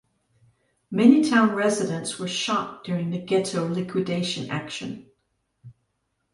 Many town residents were shot during the ghetto liquidation action.